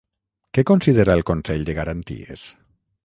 Què considera el Consell de Garanties?